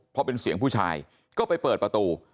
พอเป็นเสียงผู้ชายก็ไปเปิดประตู